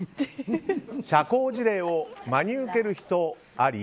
社交辞令を真に受ける人あり？